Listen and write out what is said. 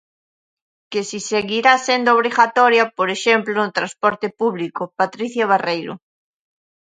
Que si seguirá sendo obrigatoria, por exemplo, no transporte público, Patricia Barreiro.